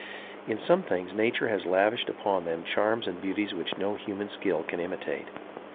In some things nature has lavished upon them charms and beauties which no human skill can imitate.